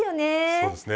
そうですね